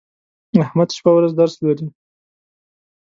احمد شپه او ورځ درس لولي.